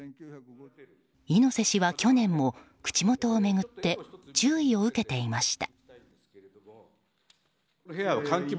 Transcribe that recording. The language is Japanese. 猪瀬氏は去年も口元を巡って注意を受けていました。